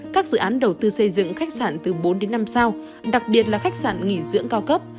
các dự án đầu tư xây dựng khách sạn từ bốn đến năm sao đặc biệt là khách sạn nghỉ dưỡng cao cấp